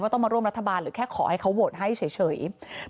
ว่าต้องมาร่วมรัฐบาลหรือแค่ขอให้เขาโโวทให้เฉยเฉยแต่